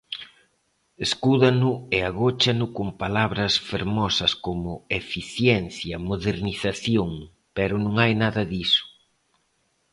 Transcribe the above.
Escúdano e agóchano con palabras fermosas como eficiencia, modernización, pero non hai nada diso.